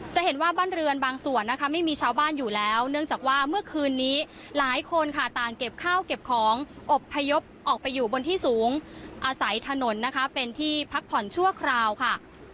จะเห็นว่าบ้านเรือนบางส่วนนะคะไม่มีชาวบ้านอยู่แล้วเนื่องจากว่าเมื่อคืนนี้หลายคนค่ะต่างเก็บข้าวเก็บของอบพยพออกไปอยู่บนที่สูงอาศัยถนนนะคะเป็นที่พักผ่อนชั่วคราวค่ะ